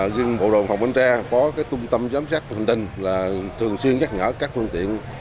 riêng bộ đồn phòng bến tre có cái tâm tâm giám sát bình tĩnh là thường xuyên nhắc nhở các phương tiện